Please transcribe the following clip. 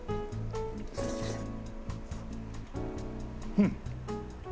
うん！